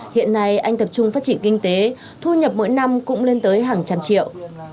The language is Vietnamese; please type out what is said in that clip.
hiện nay anh tập trung phát triển kinh tế thu nhập mỗi năm cũng lên tới hàng trăm triệu